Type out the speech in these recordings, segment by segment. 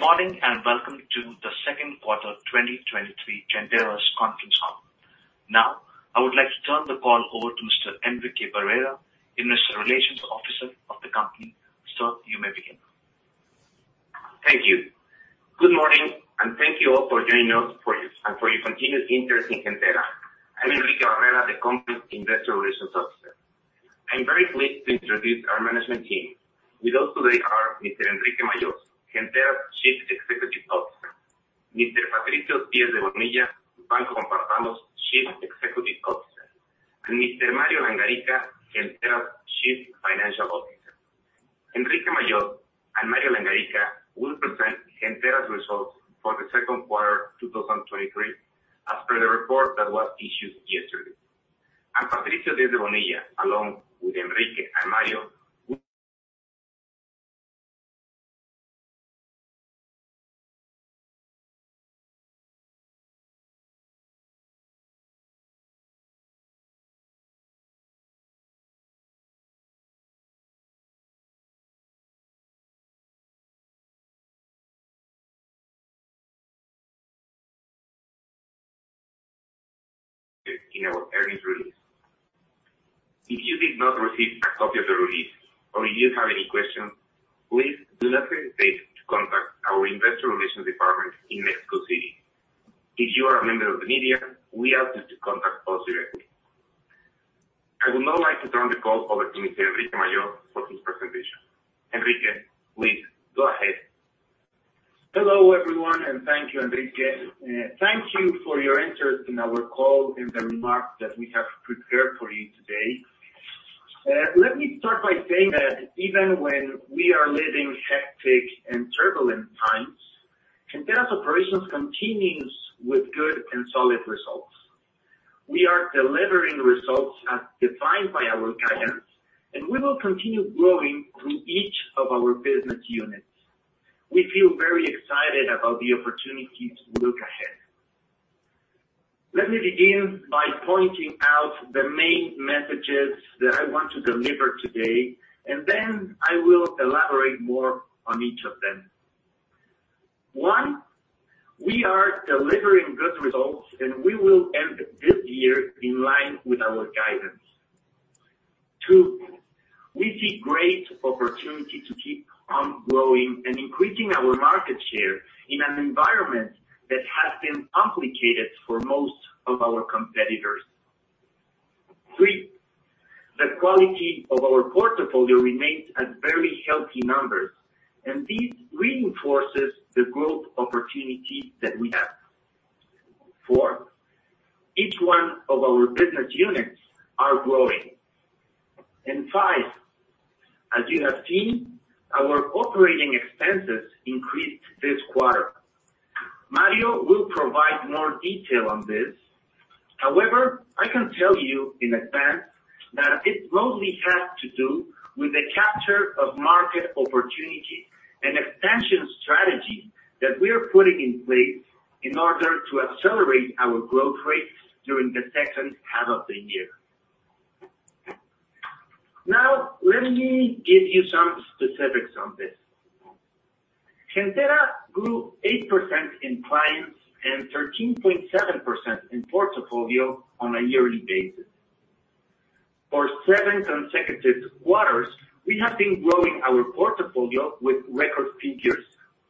Good morning, welcome to the second quarter 2023 Gentera's conference call. I would like to turn the call over to Mr. Enrique Barrera, Investor Relations Officer of the company. Sir, you may begin. Thank you. Good morning, and thank you all for joining us for this, and for your continued interest in Gentera. I'm Enrique Barrera, the company's Investor Relations Officer. I'm very pleased to introduce our management team. With us today are Mr. Enrique Mayol, Gentera's Chief Executive Officer; Mr. Patricio Diez de Bonilla, Banco Compartamos Chief Executive Officer; and Mr. Mario Langarica, Gentera's Chief Financial Officer. Enrique Mayol and Mario Langarica will present Gentera's results for the second quarter 2023, as per the report that was issued yesterday. Patricio Diez de Bonilla, along with Enrique and Mario, in our earnings release. If you did not receive a copy of the release or you have any questions, please do not hesitate to contact our investor relations department in Mexico City. If you are a member of the media, we ask you to contact us directly. I would now like to turn the call over to Mr. Enrique Mayol for his presentation. Enrique, please go ahead. Hello, everyone. Thank you, Enrique. Thank you for your interest in our call and the remarks that we have prepared for you today. Let me start by saying that even when we are living hectic and turbulent times, Gentera's operations continues with good and solid results. We are delivering results as defined by our guidance. We will continue growing through each of our business units. We feel very excited about the opportunity to look ahead. Let me begin by pointing out the main messages that I want to deliver today. Then I will elaborate more on each of them. One, we are delivering good results. We will end this year in line with our guidance. Two, we see great opportunity to keep on growing and increasing our market share in an environment that has been complicated for most of our competitors. Three, the quality of our portfolio remains at very healthy numbers, and this reinforces the growth opportunity that we have. Four, each one of our business units are growing. Five, as you have seen, our operating expenses increased this quarter. Mario Langarica will provide more detail on this. However, I can tell you in advance that it mostly has to do with the capture of market opportunity and expansion strategy that we are putting in place in order to accelerate our growth rates during the second half of the year. Let me give you some specifics on this. Gentera grew 8% in clients and 13.7% in portfolio on a yearly basis. For seven consecutive quarters, we have been growing our portfolio with record figures,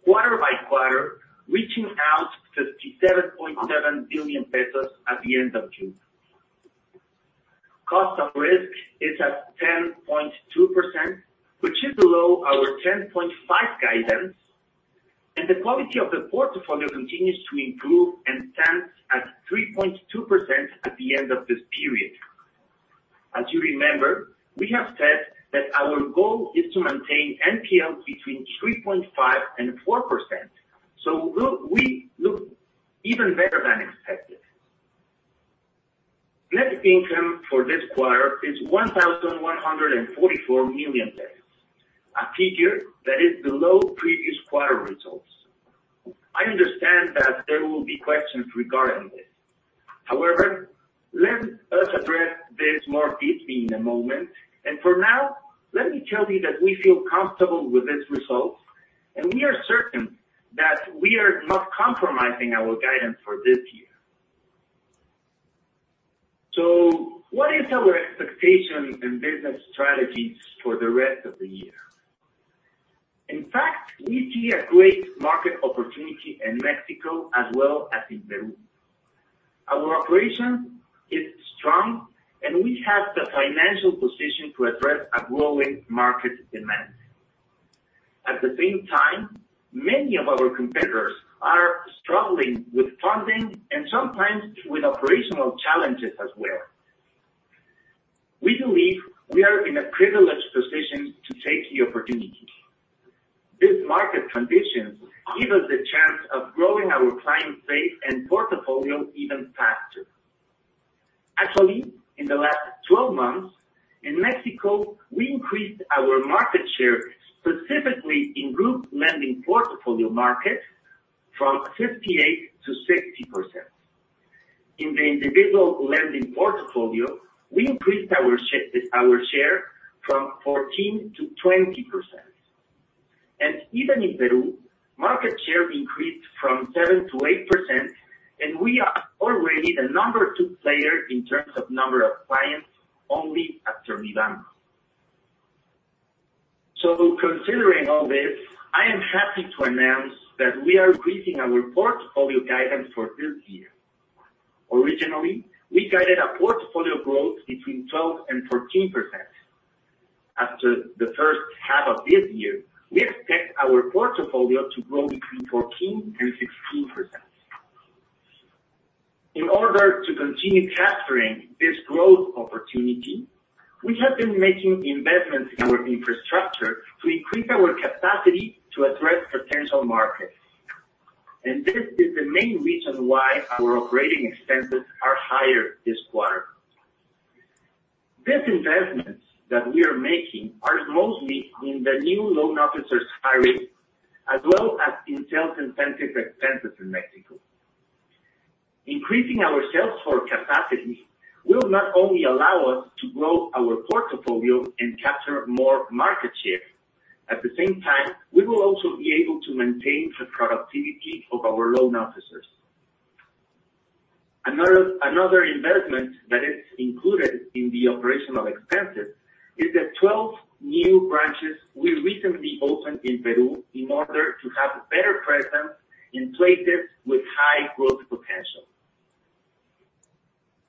quarter by quarter, reaching out 57.7 billion pesos at the end of June. Cost of risk is at 10.2%, which is below our 10.5% guidance. The quality of the portfolio continues to improve and stands at 3.2% at the end of this period. As you remember, we have said that our goal is to maintain NPL between 3.5% and 4%. Look, we look even better than expected. Net income for this quarter is 1,144 million pesos, a figure that is below previous quarter results. I understand that there will be questions regarding this. However, let us address this more deeply in a moment, and for now, let me tell you that we feel comfortable with this result, and we are certain that we are not compromising our guidance for this year. What is our expectation and business strategies for the rest of the year? In fact, we see a great market opportunity in Mexico as well as in Peru. Our operation is strong. We have the financial position to address a growing market demand. At the same time, many of our competitors are struggling with funding and sometimes with operational challenges as well. We believe we are in a privileged position to take the opportunity. This market conditions give us the chance of growing our client base and portfolio even faster. Actually, in the last 12 months, in Mexico, we increased our market share, specifically in group lending portfolio market, from 58%-60%. In the individual lending portfolio, we increased our share from 14%-20%. Even in Peru, market share increased from 7%-8%, and we are already the number two player in terms of number of clients, only after Mibanco. Considering all this, I am happy to announce that we are increasing our portfolio guidance for this year. Originally, we guided a portfolio growth between 12% and 14%. After the first half of this year, we expect our portfolio to grow between 14% and 16%. In order to continue capturing this growth opportunity, we have been making investments in our infrastructure to increase our capacity to address potential markets. This is the main reason why our operating expenses are higher this quarter. These investments that we are making are mostly in the new loan officers hiring, as well as in sales incentive expenses in Mexico. Increasing our sales force capacity will not only allow us to grow our portfolio and capture more market share, at the same time, we will also be able to maintain the productivity of our loan officers. Another investment that is included in the operational expenses is the 12 new branches we recently opened in Peru in order to have a better presence in places with high growth potential.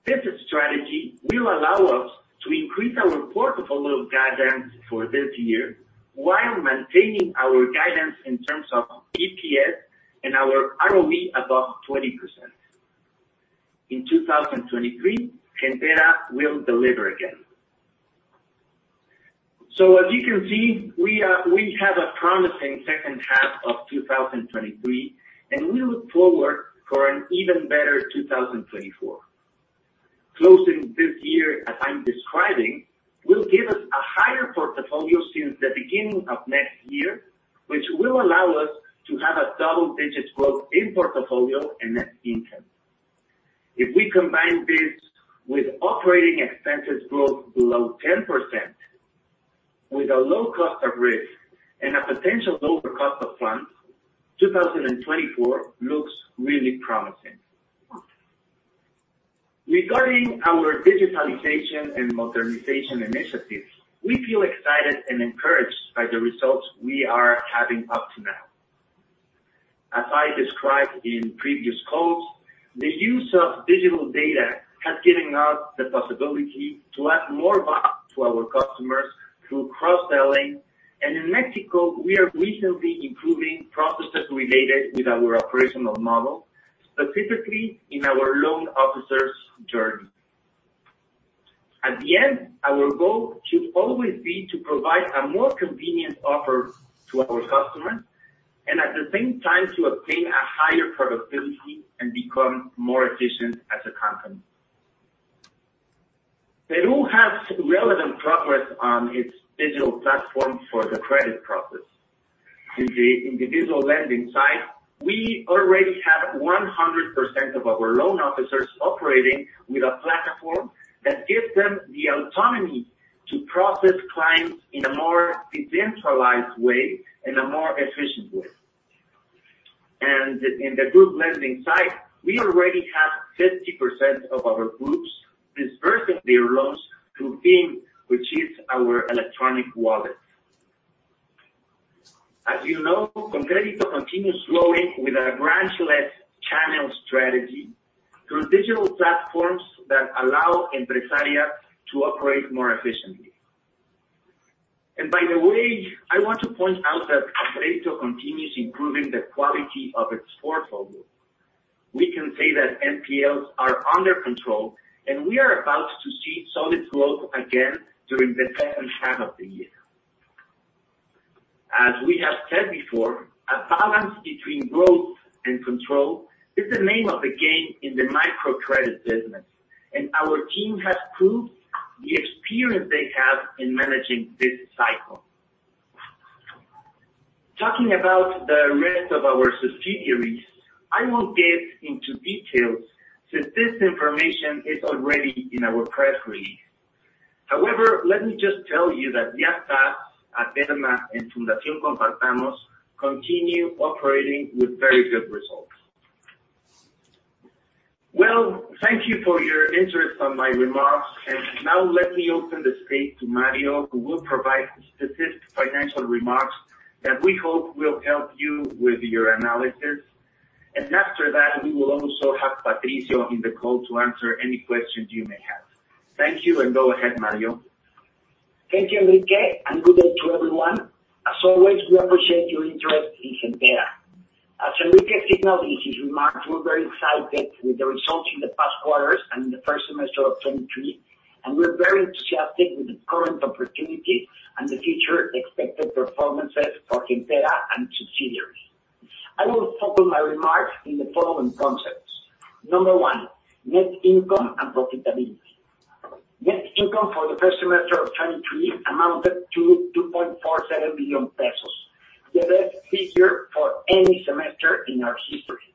This strategy will allow us to increase our portfolio guidance for this year while maintaining our guidance in terms of EPS and our ROE above 20%. In 2023, Gentera will deliver again. As you can see, we have a promising second half of 2023, and we look forward for an even better 2024. Closing this year, as I'm describing, will give us a higher portfolio since the beginning of next year, which will allow us to have a double-digit growth in portfolio and net income. If we combine this with operating expenses growth below 10%, with a low cost of risk and a potential lower cost of funds, 2024 looks really promising. Regarding our digitalization and modernization initiatives, we feel excited and encouraged by the results we are having up to now. As I described in previous calls, the use of digital data has given us the possibility to add more value to our customers through cross-selling. In Mexico, we are recently improving processes related with our operational model, specifically in our loan officers' journey. At the end, our goal should always be to provide a more convenient offer to our customers, and at the same time, to obtain a higher productivity and become more efficient as a company. Peru has relevant progress on its digital platform for the credit process. In the individual lending side, we already have 100% of our loan officers operating with a platform that gives them the autonomy to process clients in a more decentralized way and a more efficient way. In the group lending side, we already have 50% of our groups dispersing their loans through Bim, which is our electronic wallet. As you know, ConCrédito continues growing with a branchless channel strategy through digital platforms that allow empresaria to operate more efficiently. By the way, I want to point out that ConCrédito continues improving the quality of its portfolio. We can say that NPLs are under control, and we are about to see solid growth again during the second half of the year. As we have said before, a balance between growth and control is the name of the game in the microcredit business, and our team has proved the experience they have in managing this cycle. Talking about the rest of our subsidiaries, I won't get into details since this information is already in our press release. However, let me just tell you that via Yastás, Aterna, and Fundación Compartamos continue operating with very good results. Well, thank you for your interest on my remarks. Now let me open the space to Mario, who will provide specific financial remarks that we hope will help you with your analysis. After that, we will also have Patricio in the call to answer any questions you may have. Thank you, and go ahead, Mario. Thank you, Enrique, and good day to everyone. As always, we appreciate your interest in Gentera. As Enrique signaled in his remarks, we're very excited with the results in the past quarters and in the first semester of 2023, and we're very enthusiastic with the current opportunity and the future expected performances for Gentera and its subsidiaries. I will focus my remarks in the following concepts. Number one, net income and profitability. Net income for the first semester of 2023 amounted to 2.47 billion pesos, the best figure for any semester in our history.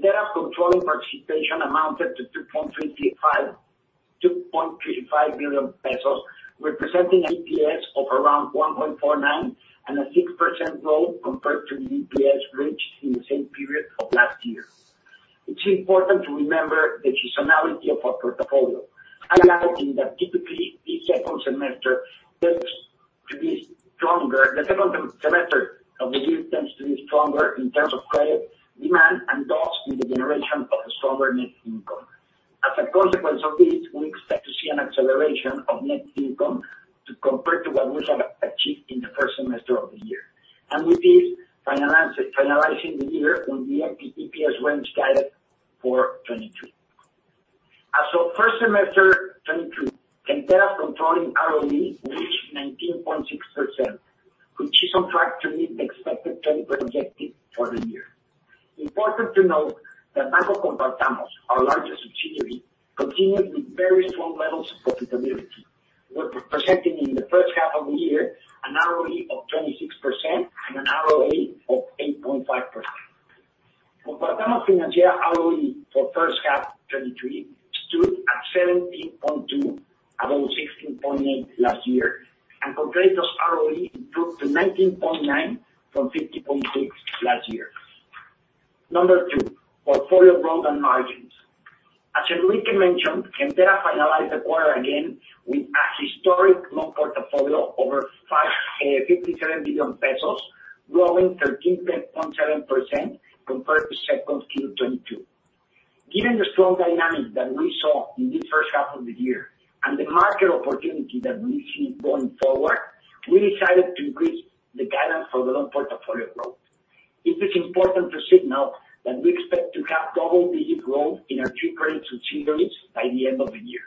Their controlling participation amounted to 2.35 billion pesos, representing EPS of around 1.49 and a 6% growth compared to the EPS reached in the same period of last year. It's important to remember the seasonality of our portfolio, highlighting that typically, the second semester tends to be stronger. The second semester of the year tends to be stronger in terms of credit, demand, and thus, in the generation of a stronger net income. As a consequence of this, we expect to see an acceleration of net income to compare to what we have achieved in the first semester of the year. With this, finalizing the year on the EPS range guided for 2022. As of first semester 2022, Gentera controlling ROE reached 19.6%, which is on track to meet the expected 20 objective for the year. Important to note that Banco Compartamos, our largest subsidiary, continued with very strong levels of profitability, representing in the first half of the year an ROE of 26% and an ROA of 8.5%. Compartamos Financiera ROE for first half 2023 stood at 17.2, above 16.8 last year. Compartamos ROE improved to 19.9 from 15.6 last year. Number 2, portfolio growth and margins. As Enrique mentioned, Gentera finalized the quarter again with a historic loan portfolio over 57 billion pesos, growing 13.7% compared to 2Q 2022. Given the strong dynamic that we saw in this first half of the year and the market opportunity that we see going forward, we decided to increase the guidance for the loan portfolio growth. It is important to signal that we expect to have double-digit growth in our 3 current subsidiaries by the end of the year.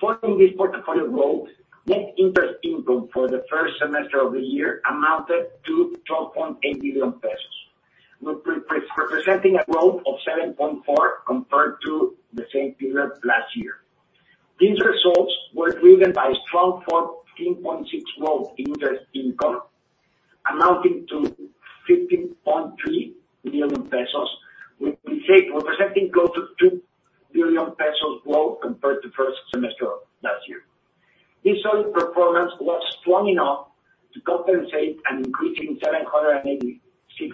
Following this portfolio growth, net interest income for the first semester of the year amounted to 12.8 billion pesos, representing a growth of 7.4% compared to the same period last year. These results were driven by a strong 14.6% growth in interest income, amounting to 15.3 million pesos, with representing close to 2 billion pesos growth compared to first semester of last year. This solid performance was strong enough to compensate an increase in 786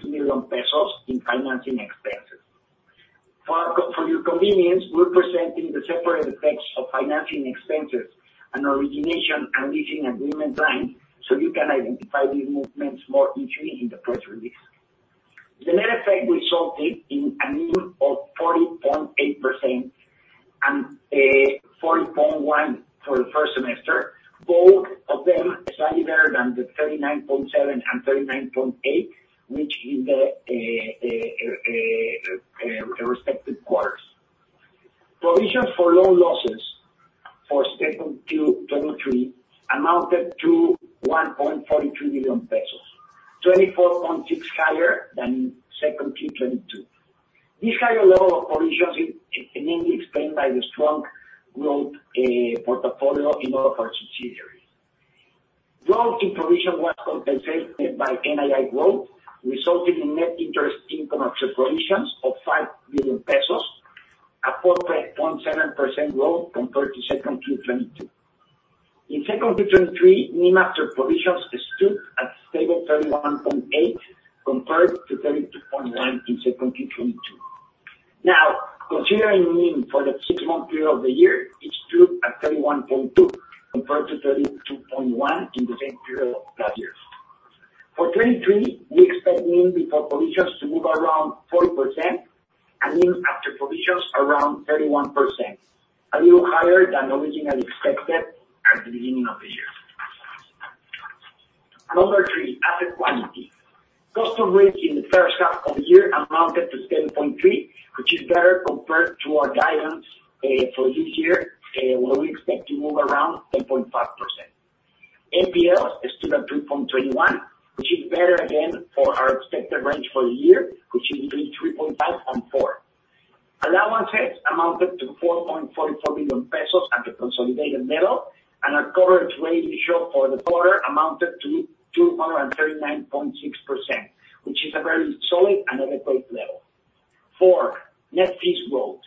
million pesos in financing expenses. For your convenience, we're presenting the separate effects of financing expenses and origination and leasing agreement line, so you can identify these movements more easily in the press release. The net effect resulted in a NIM of 40.8% and 40.1% for the first semester, both of them slightly better than the 39.7% and 39.8%, which in the respective quarters. Provision for loan losses for second Q 23 amounted to 1.42 billion pesos, 24.6% higher than in second Q 22. This higher level of provisions is mainly explained by the strong growth portfolio in all of our subsidiaries. Growth in provision was compensated by NII growth, resulting in net interest income after provisions of 5 billion pesos, a 4.7% growth compared to second Q 22. In second Q 23, NIM after provisions stood at stable 31.8%, compared to 32.1% in second Q 22. Considering NIM for the 6-month period of the year, it stood at 31.2, compared to 32.1 in the same period last year. For 2023, we expect NIM before provisions to move around 40% and NIM after provisions, around 31%, a little higher than originally expected at the beginning of the year. Number 3, asset quality. Custom rate in the first half of the year amounted to 7.3, which is better compared to our guidance for this year, where we expect to move around 10.5%. NPLs is still at 3.21, which is better again for our expected range for the year, which is between 3.5 and 4. Allowances amounted to 4.44 billion pesos at the consolidated level, and our coverage ratio for the quarter amounted to 239.6%, which is a very solid and adequate level. 4, net fees growth.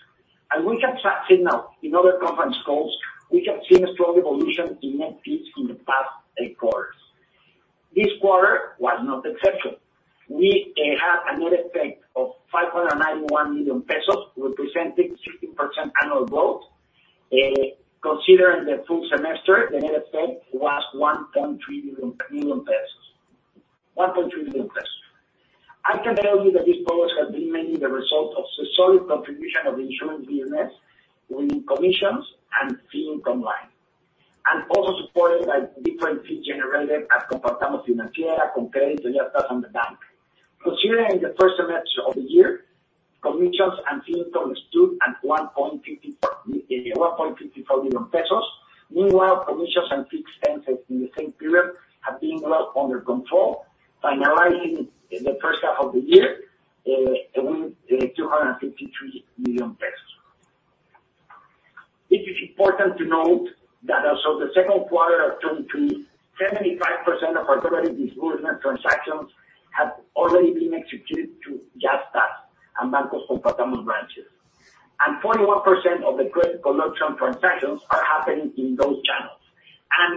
We have signaled in other conference calls, we have seen a strong evolution in net fees in the past eight quarters. This quarter was not the exception. We have a net effect of 591 million pesos, representing 16% annual growth. Considering the full semester, the net effect was 1.3 million pesos. I can tell you that this growth has been mainly the result of the solid contribution of the insurance business with commissions and fee income line, and also supported by different fees generated at Compartamos Financiera, Comparte, and the bank. Considering the first semester of the year, commissions and fee income stood at 1.54 billion pesos. Meanwhile, commissions and fixed expenses in the same period have been well under control, finalizing in the first half of the year with 253 million pesos. It is important to note that as of the second quarter of 2023, 75% of our credit disbursement transactions have already been executed through Yastás and Banco Compartamos branches. 40% of the credit collection transactions are happening in those channels.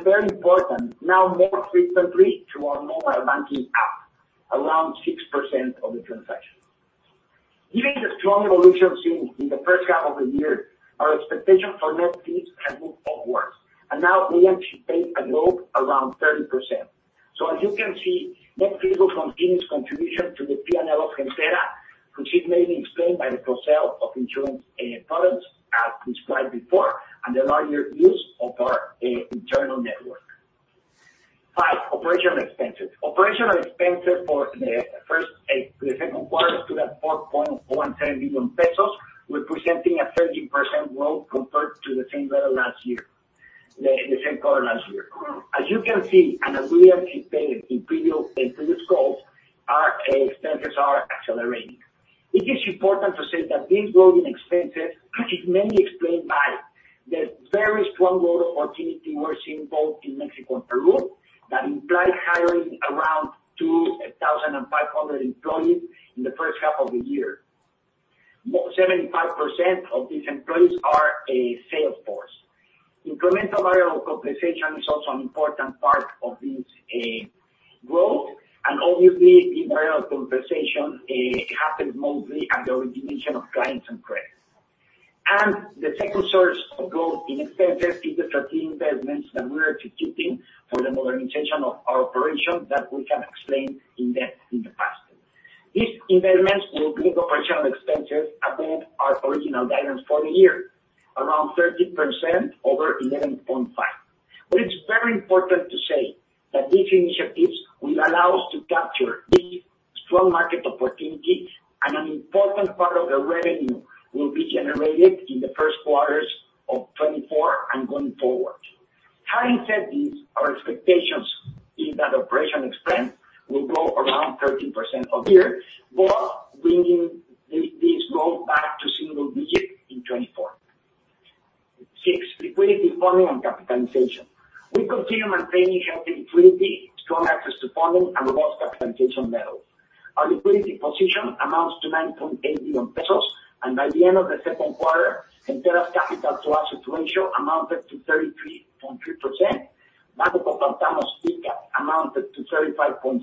Very important, now more frequently through our mobile banking app, around 6% of the transactions. Given the strong evolution seen in the first half of the year, our expectation for net fees has moved upwards, and now we anticipate a growth around 30%. As you can see, net fees from Fiinlab contribution to the P&L of Gentera, which is mainly explained by the cross-sell of insurance products, as described before, and the larger use of our internal network. 5, operational expenses. Operational expenses for the first, the second quarter stood at 4.17 billion pesos, representing a 13% growth compared to the same quarter last year. As you can see, and as we have explained in previous calls, our expenses are accelerating. It is important to say that this growth in expenses is mainly explained by the very strong growth opportunity we're seeing both in Mexico and Peru, that implies hiring around 2,500 employees in the first half of the year. 75% of these employees are a sales force. Incremental variable compensation is also an important part of this growth. Obviously, the variable compensation happens mostly at the origination of clients and credit. The second source of growth in expenses is the strategic investments that we are executing for the modernization of our operation that we have explained in depth in the past. These investments will bring operational expenses above our original guidance for the year, around 13% over 11.5%. It's very important to say that these initiatives will allow us to capture the strong market opportunity, and an important part of the revenue will be generated in the first quarters of 2024 and going forward. Having said this, our expectations is that operational expense will grow around 13% over here, but bringing this growth back to single digits in 2024. 6. Liquidity, funding, and capitalization. We continue maintaining healthy liquidity, strong access to funding, and robust capitalization levels. Our liquidity position amounts to 9.8 billion pesos, and by the end of the second quarter, Gentera's capital to assets ratio amounted to 33.3%. Banco Compartamos' ICAP amounted to 35.6,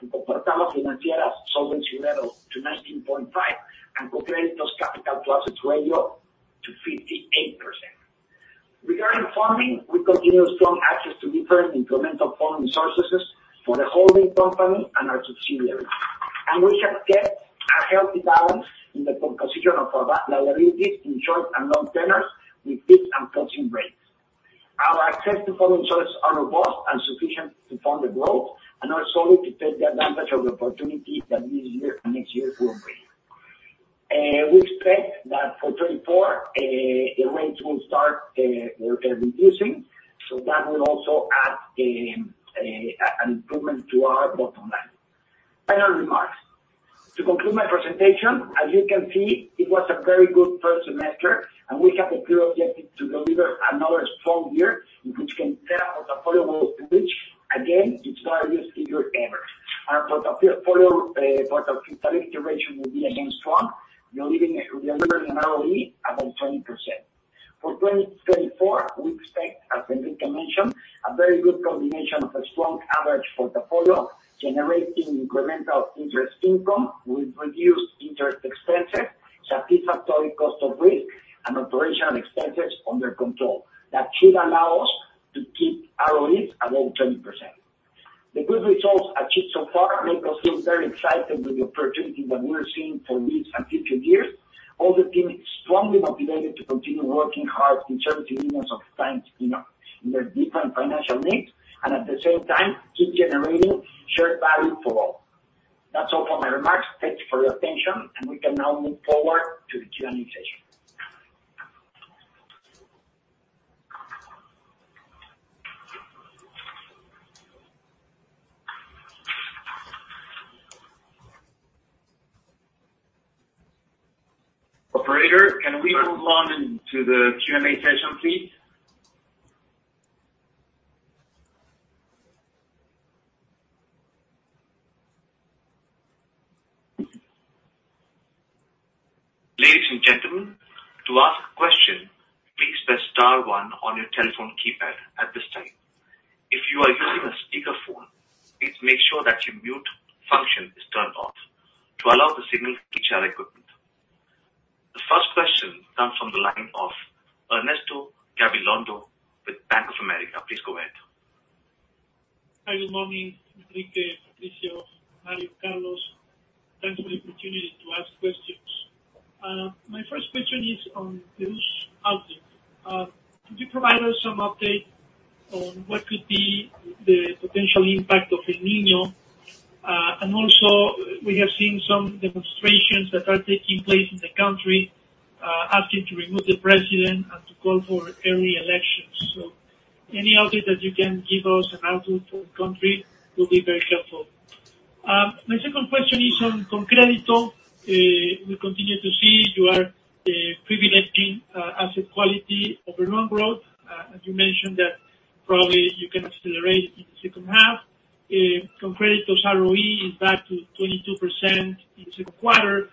and Compartamos Financiera's solvency level to 19.5, and ConCrédito's capital to assets ratio to 58%. Regarding funding, we continue strong access to different incremental funding sources for the holding company and our subsidiaries. We have kept a healthy balance in the composition of our liabilities in short and long tenors, with fixed and floating rates. Our access to funding sources are robust and sufficient to fund the growth and also to take the advantage of the opportunity that this year and next year will bring. We expect that for 2024, the rates will start reducing, that will also add an improvement to our bottom line. Final remarks. To conclude my presentation, as you can see, it was a very good first semester, and we have a clear objective to deliver another strong year, in which Gentera portfolio will reach, again, its highest figure ever. Our portfolio penetration will be again strong, delivering an ROE above 20%. For 2024, we expect, as Enrique mentioned, a very good combination of a strong average portfolio, generating incremental interest income with reduced interest expenses, satisfactory cost of risk, and operational expenses under control. That should allow us to keep ROE above 20%. The good results achieved so far make us feel very excited with the opportunity that we are seeing for this and future years. All the team is strongly motivated to continue working hard in serving millions of clients in their different financial needs, and at the same time, keep generating shared value for all. That's all for my remarks. Thanks for your attention. We can now move forward to the Q&A session. Operator, can we move on into the Q&A session, please? Ladies and gentlemen, to ask a question, please press star one on your telephone keypad at this time. If you are using a speakerphone, please make sure that your mute function is turned on, to allow the signal to reach our equipment. The first question comes from the line of Ernesto Gabilondo with Bank of America. Please go ahead. Hi, good morning, Enrique, Patricio, Mario, Carlos. Thanks for the opportunity to ask questions. My first question is on the outlook. Could you provide us some update on what could be the potential impact of El Niño? Also, we have seen some demonstrations that are taking place in the country, asking to remove the president and to call for early elections. Any update that you can give us an output for the country will be very helpful. My second question is on ConCrédito. We continue to see you are privileging asset quality over loan growth. As you mentioned, that probably you can accelerate in the second half. ConCrédito's ROE is back to 22% in the 2Q.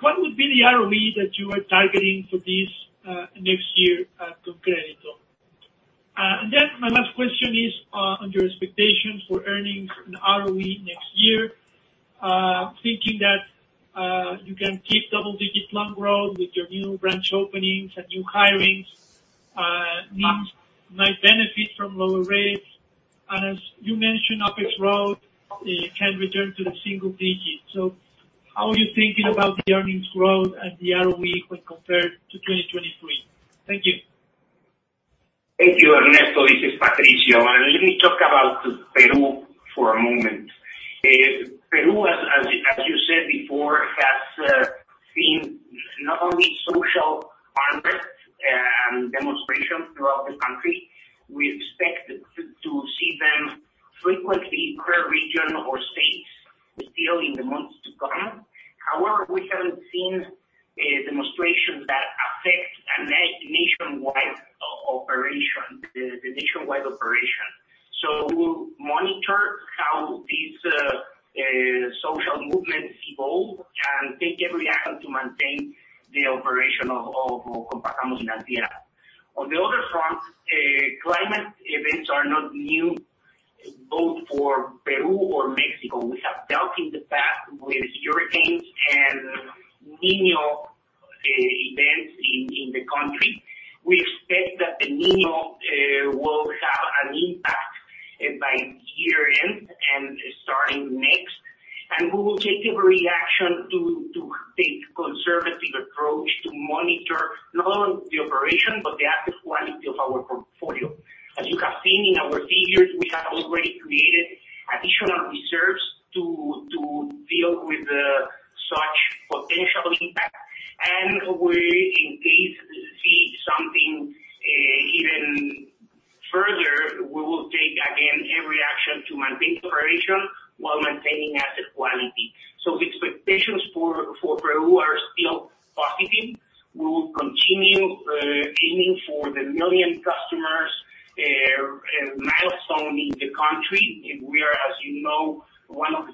What would be the ROE that you are targeting for this next year at ConCrédito? My last question is on your expectations for earnings and ROE next year. I'm thinking that you can keep double-digit loan growth with your new branch openings and new hirings, means might benefit from lower rates. As you mentioned, OpEx growth can return to the single digits. How are you thinking about the earnings growth and the ROE when compared to 2023? Thank you. Thank you, Ernesto. This is Patricio. Let me talk about Peru for a moment. Peru, as you said before, has seen not only social unrest and demonstrations throughout the country. We expect to see them frequently per region or states still in the months to come. However, we haven't seen a demonstration that affects a nationwide operation, the nationwide operation. We will monitor how these social movements evolve and take every action to maintain the operation of Compartamos Financiera. On the other front, climate events are not new, both for Peru or Mexico. We have dealt in the past with hurricanes and El Niño events in the country. We expect that El Niño will have an impact by year-end and starting next. We will take every action to take conservative approach to monitor not only the operation, but the asset quality of our portfolio. As you have seen in our figures, we have already created additional reserves to deal with such potential impact. In case we see something even further, we will take again, every action to maintain operation while maintaining asset quality. Expectations for Peru are still positive. We will continue aiming for the 1 million customers milestone in the country. We are, as you know, one of the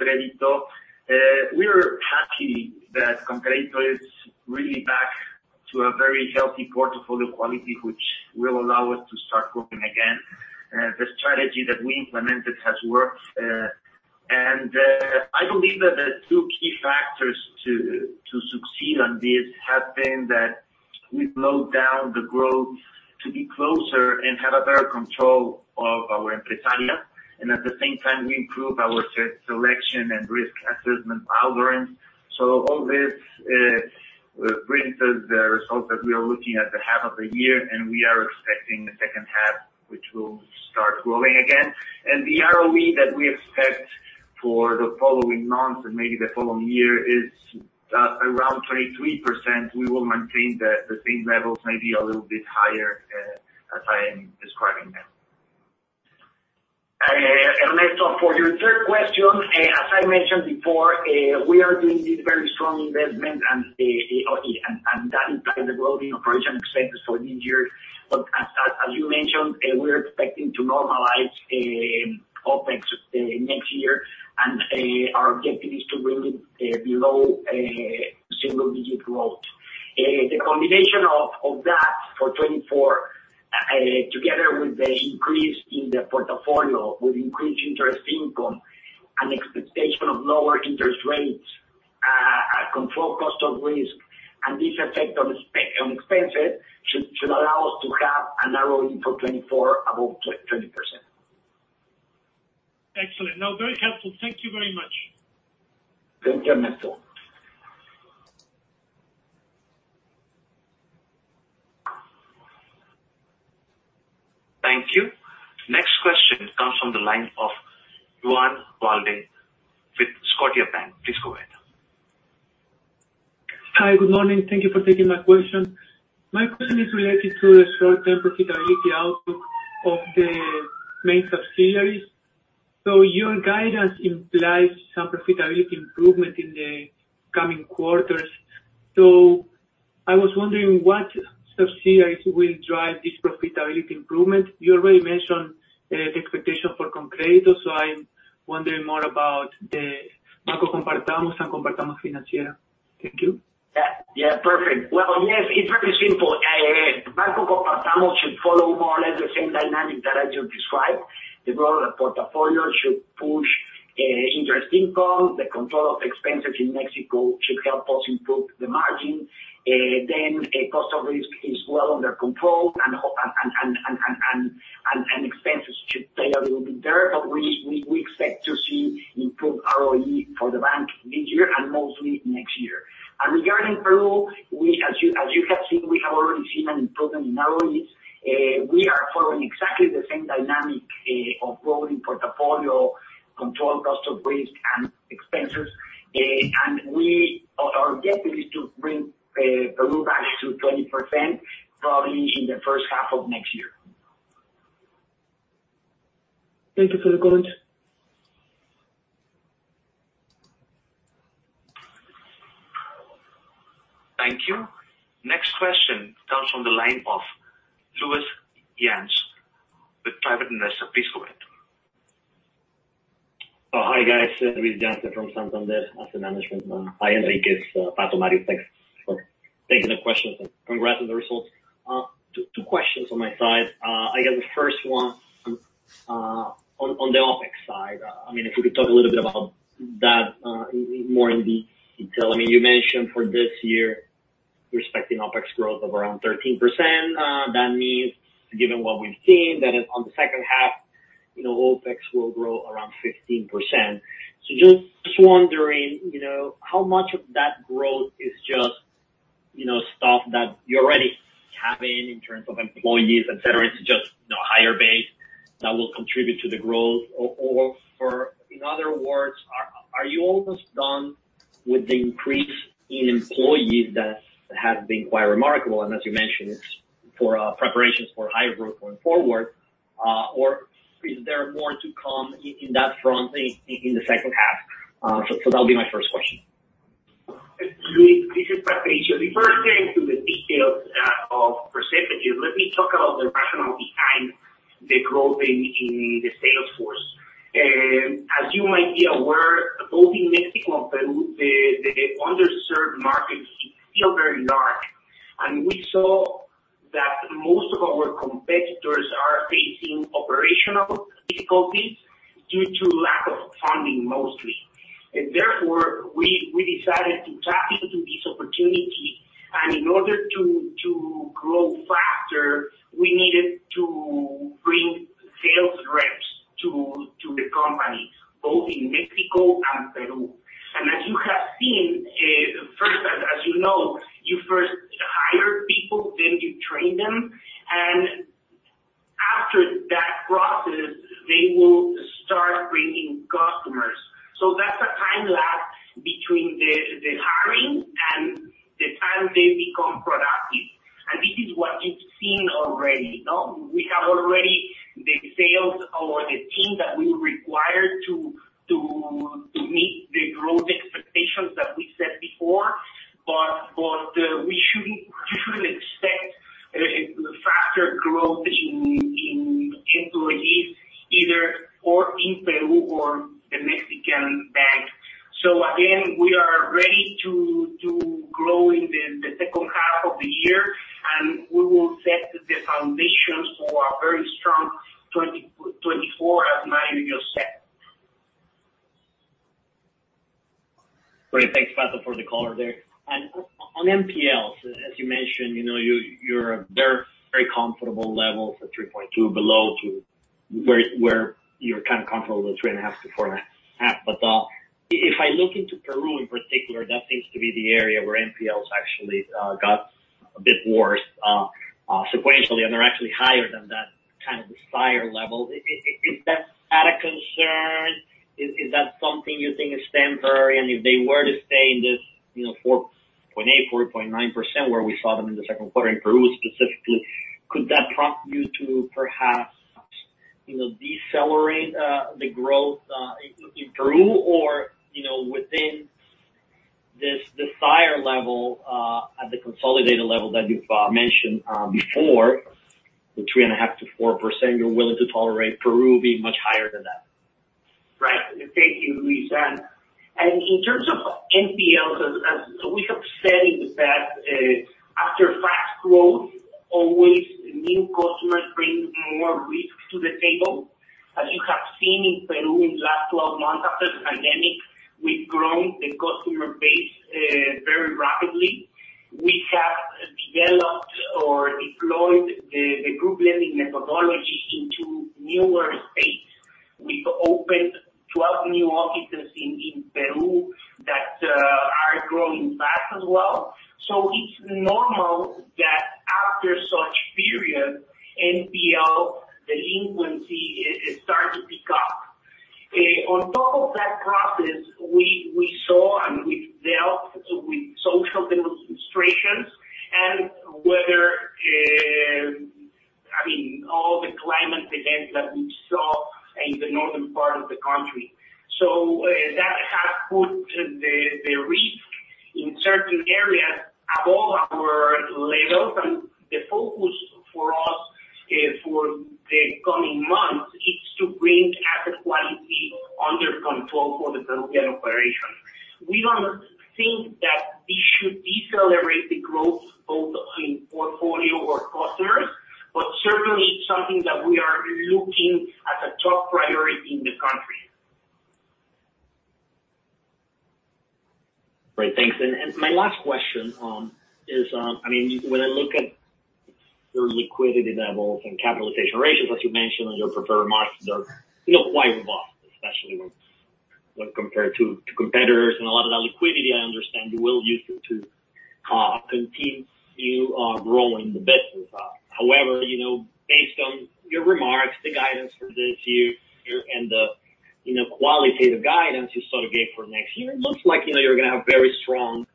biggest institutions in the microfinance landscape in Peru, and we will continue focus in delivering good results in the country. Again, something that we should be care of, but we are taking every action to maintain the operation with positive outcome for next year as well. Hi, Ernesto, how are you? Regarding your second question, ConCrédito, we are happy that ConCrédito is really back to a very healthy portfolio quality, which will allow us to start growing again. The strategy that we implemented has worked, and I believe that the two key factors to succeed on this have been that we've slowed down the growth to be closer and have a better control of our empresaria, and at the same time, we improve our selection and risk assessment algorithms. All this brings us the results that we are looking at the half of the year, and we are expecting the second half, which will start growing again. The ROE that we expect for the following months and maybe the following year is around 23%. We will maintain the same levels, maybe a little bit higher, as I am describing now. Ernesto, for your third question, as I mentioned before, we are doing this very strong investment and that includes the growing operation expenses for this year. As you mentioned, we're expecting to normalize OpEx next year, our objective is to bring it below single digit growth. The combination of that for 2024, together with the increase in the portfolio, with increased net interest income and expectation of lower interest rates, a controlled cost of risk, and this effect on expenses, should allow us to have an ROE for 2024 above 20%. Excellent. No, very helpful. Thank you very much. Thank you, Ernesto. Thank you. Next question comes from the line of Juan Valdez with Scotiabank. Please go ahead. Hi, good morning. Thank you for taking my question. My question is related to the short-term profitability output of the main subsidiaries. Your guidance implies some profitability improvement in the coming quarters. I was wondering what subsidiaries will drive this profitability improvement? You already mentioned expectation for ConCrédito. I'm wondering more about the Banco Compartamos and Compartamos Financiera. Thank you. Yeah, perfect. Well, yes, it's very simple. Banco Coppel Panamá should follow more or less the same dynamic that I just described. The growth of the portfolio should push interest income. The control of expenses in Mexico should help us improve the margin. Cost of risk is well under control and expenses should stay a little bit there, but we expect to see improved ROE for the bank this year and mostly next year. Regarding Peru, as you have seen, we have already seen an improvement in ROEs. We are following exactly the same dynamic of growing portfolio, control cost of risk and expenses. Our objective is to bring Peru back to 20%, probably in the first half of next year. Thank you for the comment. Thank you. Next question comes from the line of Luiz Yanez, with Private Investor Piscot. Hi, guys. It's Luiz Yanez from Santander Asset Management. Hi, Enrique, it's Paco Mario. Thanks for taking the questions. Congrats on the results. Two questions on my side. I guess the first one, on the OpEx side, I mean, if you could talk a little bit about that, more in detail. I mean, you mentioned for this year, you're expecting OpEx growth of around 13%. That means, given what we've seen, that on the second half, you know, OpEx will grow around 15%. Just wondering, you know, how much of that growth is just, you know, stuff that you already have in terms of employees, etc., it's just, you know, higher base that will contribute to the growth? Or for in other words, are you almost done with the increase in employees that has been quite remarkable, and as you mentioned, it's for preparations for higher growth going forward, or is there more to come in that front in, in the second half? That'll be my first question. Luiz, this is Patricio. Before I get into the details of percentages, let me talk about the rationale behind the growth in the sales force. As you might be aware, both in Mexico and Peru, the underserved market is still very large, and we saw that most of our competitors are facing operational difficulties due to lack of funding, mostly. Therefore, we decided to tap into this opportunity. In order to grow faster, we needed to bring sales reps to the company, both in Mexico and Peru. As you have seen, first, as you know, you first hire people, then you train them, and after that to grow in the second half of the year, and we will set the foundations for a very strong 2024, as Mario just said. Great. Thanks, Paco, for the color there. On NPLs, as you mentioned, you know, you're they're very comfortable levels at 3.2 below to where, where you're kind of comfortable with 3.5-4.5. If I look into Peru in particular, that seems to be the area where NPLs actually got a bit worse sequentially, and they're actually higher than that kind of desired level. Is that a concern? Is that something you think is temporary? If they were to stay in this, you know, 4.8%, 4.9%, where we saw them in the second quarter in Peru specifically, could that prompt you to perhaps, you know, decelerate the growth in Peru? You know, within this desired level, at the consolidated level that you mentioned before, the 3.5%-4%, you're willing to tolerate Peru being much higher than that. Right. Thank you, Luiz. In terms of NPLs, as we have said, in the past, after fast growth, always new customers bring more risks to the table. As you have seen in Peru in the last 12 months after the pandemic, we've grown the customer base very rapidly. We have developed or deployed the group lending methodology into newer states. We've opened 12 new offices in Peru that are growing fast as well. It's normal that after such period, NPL delinquency start to pick up. On top of that process, we saw and we dealt with social demonstrations and whether, I mean, all the climate events that we saw in the northern part of the country. That has put the risk in certain areas above our levels, and the focus for the coming months is to bring asset quality under control for the Peruvian operations. We don't think that this should decelerate the growth, both in portfolio or customers. Certainly it's something that we are looking at a top priority in the country. Great, thanks. My last question, I mean, when I look at your liquidity levels and capitalization ratios, as you mentioned, on your preferred markets, they're, you know, quite robust, especially when compared to competitors, and a lot of that liquidity, I understand you will use it to continue growing the business. However, you know, based on your remarks, the guidance for this year, and the, you know, qualitative guidance you sort of gave for next year, it looks like, you know, you're gonna have very strong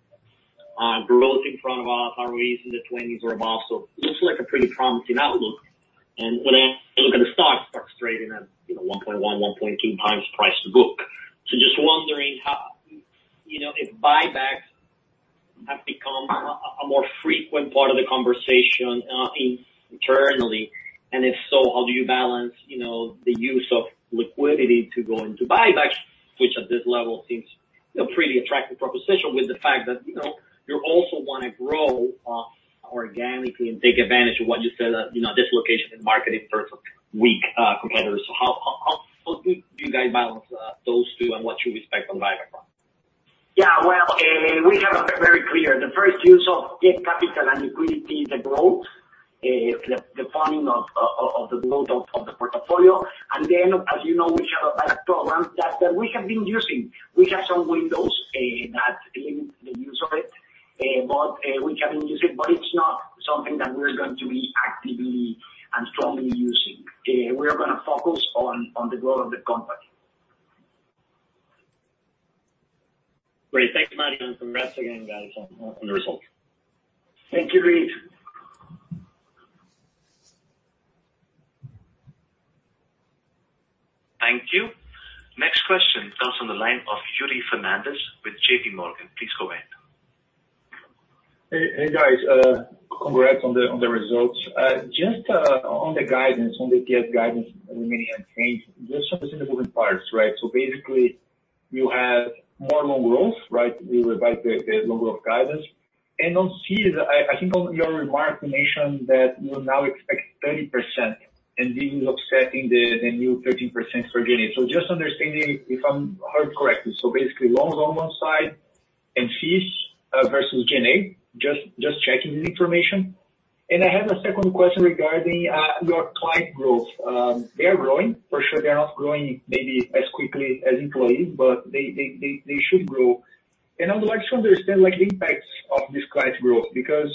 growth in front of us, ROEs in the 20s or above. Looks like a pretty promising outlook. When I look at the stock, stock's trading at, you know, 1.1x, 1.2x price to book. Just wondering how, you know, if buybacks have become a more frequent part of the conversation internally, and if so, how do you balance, you know, the use of liquidity to go into buybacks, which at this level seems a pretty attractive proposition, with the fact that, you know, you also wanna grow organically and take advantage of what you said, you know, this location and market is versus weak competitors? How do you guys balance those two and what you expect on buyback front? Yeah, well, we have a very clear, the first use of get capital and liquidity, the growth, the funding of the growth of the portfolio. As you know, we have a buyback program that we have been using. We have some windows that limit the use of it, but we have been using it, but it's not something that we're going to be actively and strongly using. We are gonna focus on the growth of the company. Great. Thank you, Mario, and congrats again, guys, on the results. Thank you, Luiz. Thank you. Next question comes on the line of Yuri Fernandes with JPMorgan. Please go ahead. Hey, guys, congrats on the results. Just on the guidance, on the give guidance remaining unchanged, just understanding moving parts, right? Basically, you have more loan growth, right? You revised the loan growth guidance. On fees, I think on your remarks, you mentioned that you now expect 30%, and this is offsetting the new 13% for G&A. Just understanding if I'm heard correctly, basically, loans on one side and fees versus G&A, just checking this information. I have a second question regarding your client growth. They are growing. For sure, they are not growing maybe as quickly as employees, but they should grow. I would like to understand, like, the impacts of this client growth, because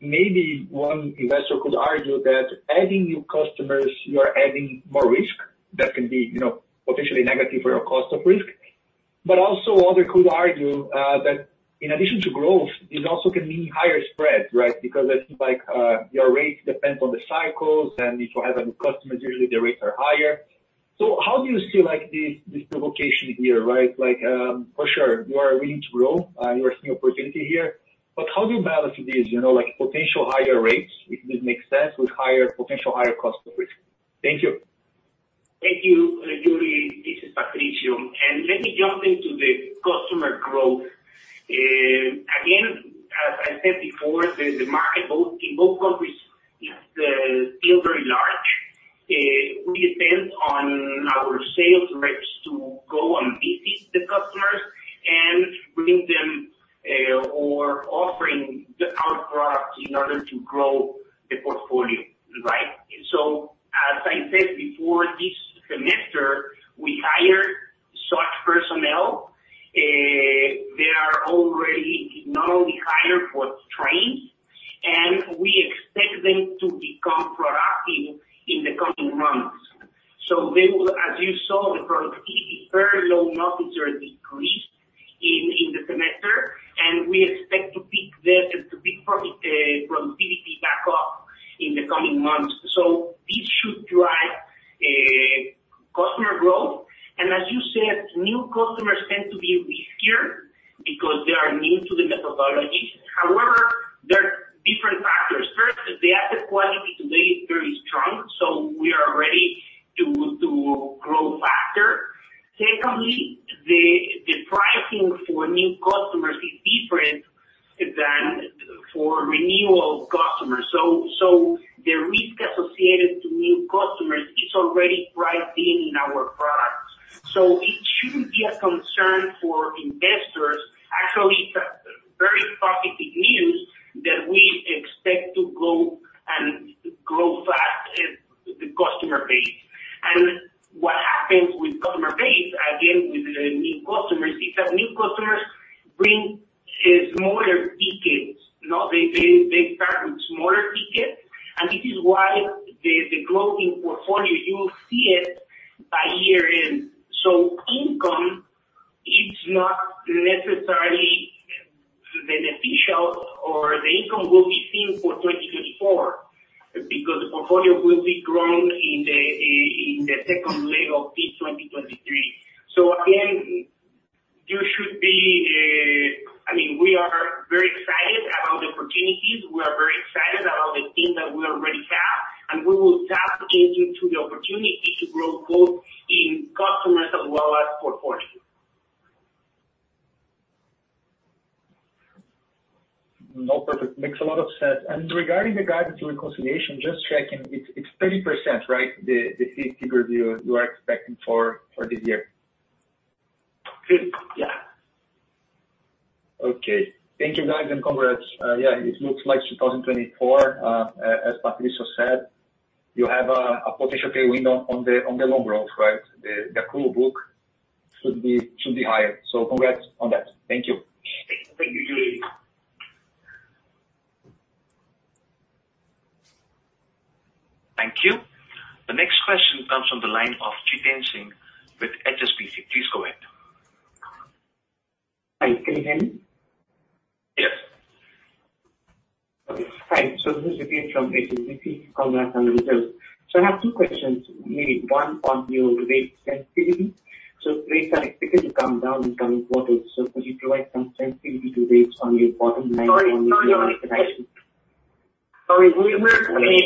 maybe one investor could argue that adding new customers, you are adding more risk that can be, you know, potentially negative for your cost of risk. Also, other could argue that in addition to growth, it also can mean higher spreads, right? Because it seems like your rates depend on the cycles, and if you have new customers, usually the rates are higher. How do you see, like, this location here, right? For sure, you are willing to grow, you are seeing opportunity here, but how do you balance this? You know, like potential higher rates, if it makes sense, with potential higher cost of risk. Thank you. Thank you, Yuri. This is Patricio, and let me jump into the customer growth. Again, as I said before, the market, both, in both countries, is still very large. We depend on our sales reps to go and visit the customers and bring them or offering the our products in order to grow the portfolio, right? As I said before, this semester, we and we will tap into the opportunity to grow both in customers as well as portfolio. No, perfect. Makes a lot of sense. Regarding the guidance reconciliation, just checking, it's 30%, right? The review you are expecting for this year. Yeah. Okay. Thank you, guys, and congrats. Yeah, it looks like 2024, as Patricio said, you have a potential pay window on the long road, right? The cool book should be higher. Congrats on that. Thank you. Thank you, Yuri. Thank you. The next question comes from the line of Jitender Singh with HSBC. Please go ahead. Hi, can you hear me? Yes. Okay. Hi, this is Jitender from HSBC. Congrats on the results. I have two questions, maybe one on your rate sensitivity. Rates are expected to come down in coming quarters, so could you provide some sensitivity to rates on your bottom line? Sorry,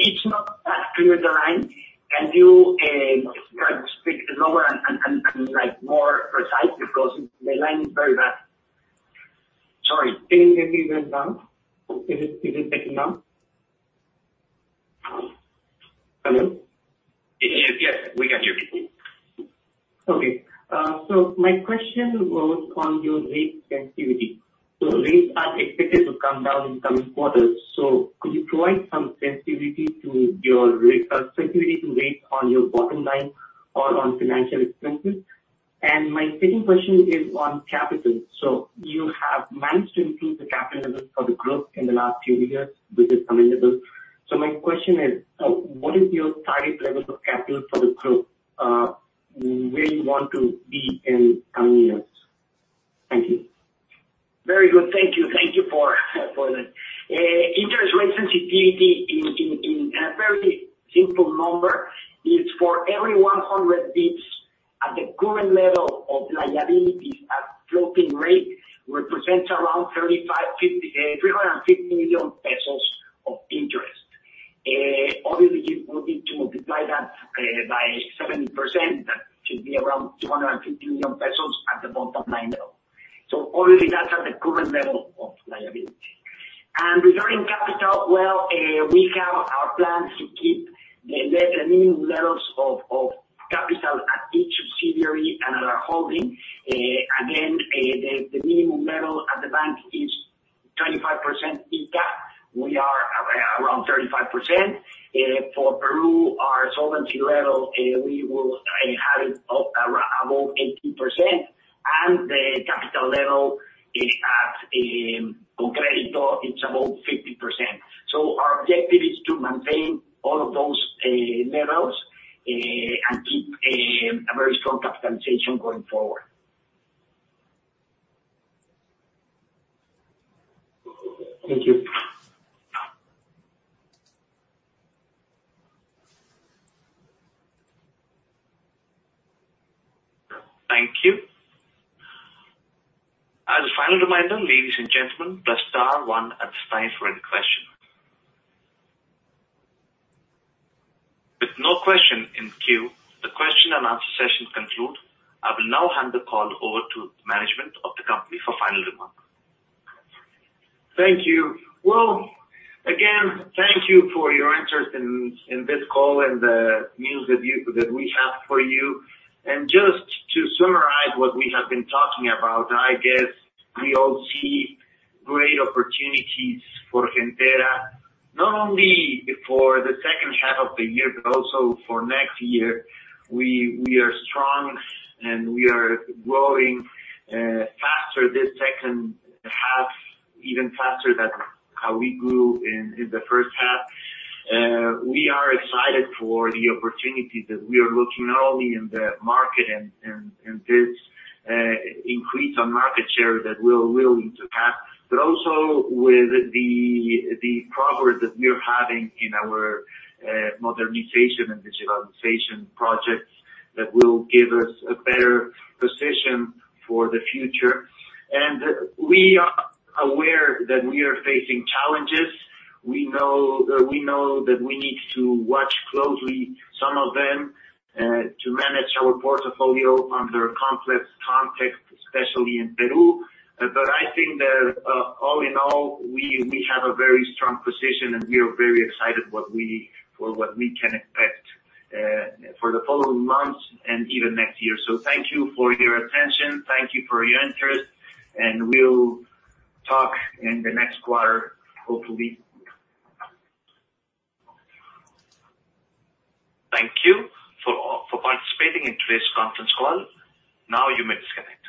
it's not that clear, the line. Can you try to speak lower and like more precise, because the line is very bad. Sorry, can you please speak down? Is it getting down? Hello? Yes, we can hear you. Okay. My question was on your rate sensitivity. Rates are expected to come down in coming quarters. Could you provide some sensitivity to your rate sensitivity to rates on your bottom line or on financial expenses? My second question is on capital. You have managed to increase the capital levels for the group in the last few years, which is commendable. My question is, what is your target levels of capital for the group, where you want to be in coming years? Thank you. Very good. Thank you. Thank you for, for that. Interest rate sensitivity in a very simple number, is for every 100 basis points at the current level of liabilities at floating rate, represents around 350 million pesos of interest. Obviously, you will need to multiply that by 70%, that should be around 250 million pesos at the bottom line level. Already, that's at the current level of liability. Regarding capital, we have our plans to keep the minimum levels of capital at each subsidiary and at our holding. Again, the minimum level at the bank is 25% in cap. We are around 35%. For Peru, our solvency level, we will have it around above 80%, and the capital level is at Credito, it's above 50%. Our objective is to maintain all of those levels and keep a very strong capitalization going forward. Thank you. Thank you. As a final reminder, ladies and gentlemen, press star one at this time for any question. With no question in queue, the question-and-answer session conclude. I will now hand the call over to management of the company for final remarks. Thank you. Well, again, thank you for your interest in this call and the news that we have for you. Just to summarize what we have been talking about, I guess we all see great opportunities for Gentera, not only for the second half of the year, but also for next year. We are strong, and we are growing faster this second half, even faster than how we grew in the first half. We are excited for the opportunities that we are looking not only in the market and this increase on market share that we're willing to have, but also with the progress that we are having in our modernization and digitalization projects that will give us a better position for the future. We are aware that we are facing challenges. We know that we need to watch closely some of them, to manage our portfolio under a complex context, especially in Peru. I think that, all in all, we have a very strong position, and we are very excited for what we can expect, for the following months and even next year. Thank you for your attention. Thank you for your interest, and we'll talk in the next quarter, hopefully. Thank you for participating in today's conference call. Now you may disconnect.